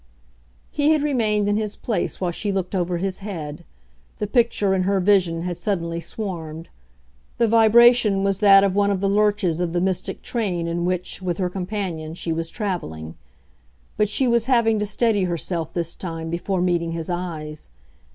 He had remained in his place while she looked over his head; the picture, in her vision, had suddenly swarmed. The vibration was that of one of the lurches of the mystic train in which, with her companion, she was travelling; but she was having to steady herself, this time, before meeting his eyes.